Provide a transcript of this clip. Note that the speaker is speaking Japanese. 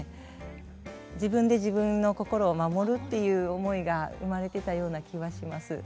自分で自分の心を守るっていう思いが生まれてたような気はします。